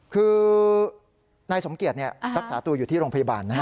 คือนายสมเกียจรักษาตัวอยู่ที่โรงพยาบาลนะฮะ